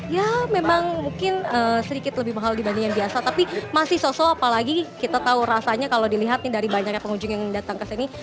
ya memang mungkin sedikit lebih mahal dibanding yang biasa tapi masih sosok apalagi kita tahu rasanya kalau dilihat nih dari banyaknya pengunjung yang datang ke sini